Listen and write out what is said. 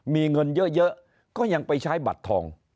มีเงินเยอะก็ยังไปใช้บัตรทอง